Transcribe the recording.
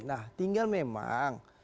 nah tinggal memang